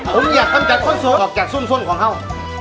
ผมอยากทำจากส้นส้นของเหร้า